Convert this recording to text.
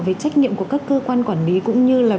về trách nhiệm của các cơ quan quản lý cũng như là